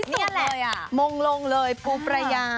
นี่เลยมงลงเลยภูประยา